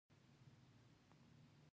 ښه روانه پښتو یې ویله